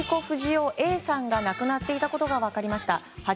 不二雄Ａさんが亡くなっていたことが分かりました。